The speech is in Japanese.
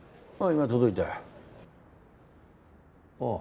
今届いた。